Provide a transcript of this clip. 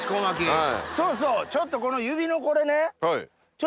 そうそうちょっと指のこれね。